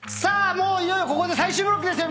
もういよいよここで最終ブロックですよ